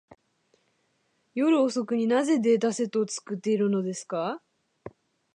夜遅くに、なぜデータセットを作っているのですか。